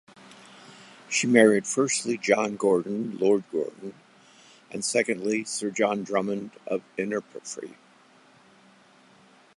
She married firstly John Gordon, Lord Gordon, and secondly Sir John Drummond of Innerpeffry.